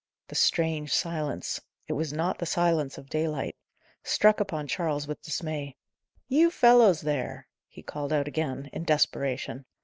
The strange silence it was not the silence of daylight struck upon Charles with dismay. "You fellows there!" he called out again, in desperation.